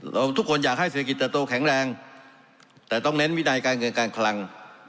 ทุกคนอยากให้เศรษฐกิจเติบโตแข็งแรงแต่ต้องเน้นวินัยการเงินการคลัง